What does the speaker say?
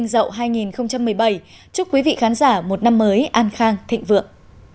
chúc quý vị khán giả một năm mới đinh dậu hai nghìn một mươi bảy chúc quý vị khán giả một năm mới an khang thịnh vượng